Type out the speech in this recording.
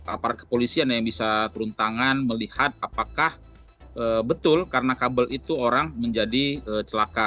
aparat kepolisian yang bisa turun tangan melihat apakah betul karena kabel itu orang menjadi celaka